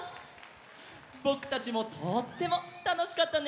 ぼくたちもとってもたのしかったね！